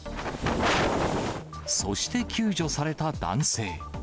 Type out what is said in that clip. そして救助された男性。